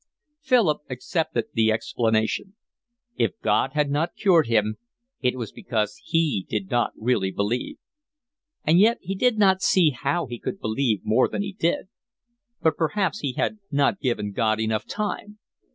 Philip accepted the explanation. If God had not cured him, it was because he did not really believe. And yet he did not see how he could believe more than he did. But perhaps he had not given God enough time.